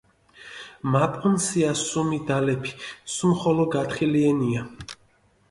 მა პუნსია სუმი დალეფი, სუმხოლო გათხილიენია.